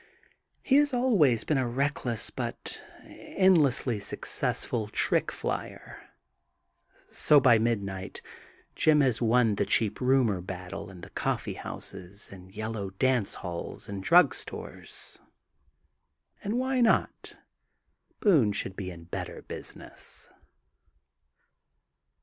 He has always been a reckless but endlessly success ful trick flyer. So by midnight Jim has won the cheap rumor battle in the coffee houses and Yellow Dance Halls and drug stores. And why not! Boone should be in better business.